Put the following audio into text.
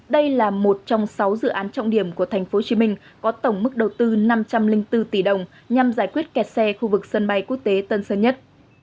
đây là một trong sáu dự án trọng điểm của tp hcm có tổng mức đầu tư năm trăm linh bốn tỷ đồng nhằm giải quyết kẹt xe khu vực sân bay quốc tế tân sơn nhất